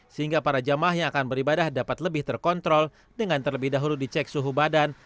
sehingga para jamaah yang akan beribadah dapat lebih terkontrol dengan terlebih dahulu dicek suhu badan